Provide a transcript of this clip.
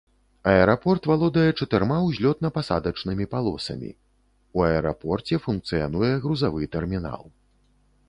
Аэрапорт валодае чатырма узлётна-пасадачнымі палосамі, у аэрапорце функцыянуе грузавы тэрмінал.